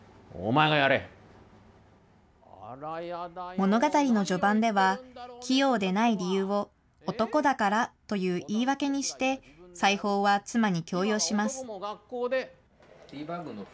物語の序盤では器用でない理由を、男だからという言い訳にして、裁縫は妻に強要します。